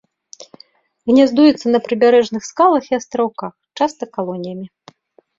Гняздуецца на прыбярэжных скалах і астраўках, часта калоніямі.